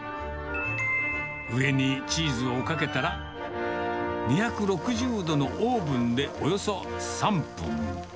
上にチーズをかけたら、２６０度のオーブンでおよそ３分。